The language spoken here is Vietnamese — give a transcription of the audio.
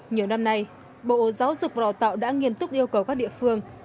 nhiều năm nay bộ giáo dục võ tạo đã nghiêm túc yêu cầu các địa phương